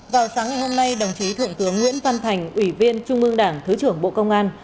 vào sáng ngày hôm nay đồng chí thượng tướng nguyễn văn thành ủy viên trung ương đảng thứ trưởng bộ công an